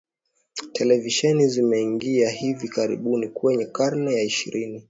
televisheni zimeingia hivi karibuni kwenye karne ya ishirini